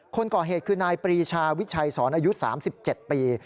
คนก่อเหตุคือนายปรีชาวิชัยสอนอายุ๓๗ปี